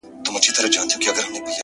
څومره بلند دی؛